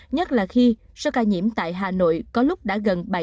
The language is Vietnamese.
nhất là khi do ca nhiễm tại hà nội có lúc đã gần bảy ca một ngày